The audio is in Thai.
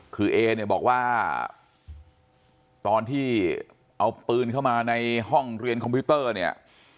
คือเอเนี่ยบอกว่าตอนที่เอาปืนเข้ามาในห้องเรียนคอมพิวเตอร์เนี่ย